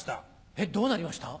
えっどうなりました？